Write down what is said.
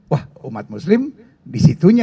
wah umat muslim di situnya